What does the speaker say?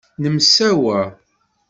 Nemsawa.